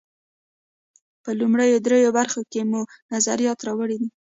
په لومړیو درېیو برخو کې مې نظریات راوړي دي.